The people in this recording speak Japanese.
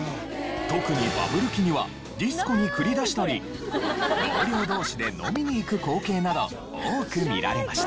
特にバブル期にはディスコに繰り出したり同僚同士で飲みに行く光景など多く見られました。